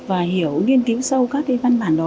và hiểu nghiên cứu sâu các cái văn bản đó